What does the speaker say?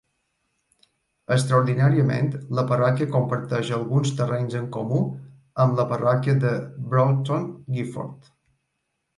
Extraordinàriament, la parròquia comparteix alguns terrenys en comú amb la parròquia de Broughton Gifford.